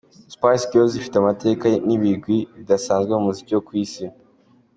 Spice Girls ifite amateka n’ibigwi bidasanzwe mu muziki wo ku Isi.